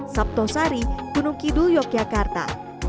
saptosari gunung kidul yogyakarta